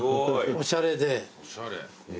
おしゃれ。